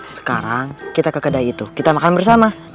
sekarang kita ke kedai itu kita makan bersama